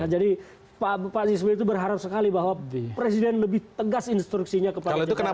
jadi pak zizbi itu berharap sekali bahwa presiden lebih tegas instruksinya kepada jajaran bawah